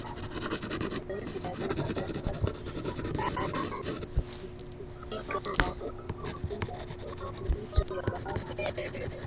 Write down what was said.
Ni zaidi ya miaka mitatu tangu Kenya ilipopiga marufuku matumizi ya baadhi ya mifuko